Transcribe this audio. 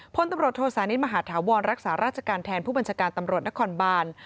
พลตำรวจโทษานิทมหาธาวรรักษาราชการแทนผู้บัญชาการตำรวจนครบาน